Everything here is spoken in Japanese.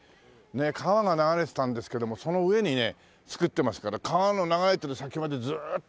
川が流れてたんですけどもその上にね作ってますから川の流れてる先までずーっとあるわけですよ。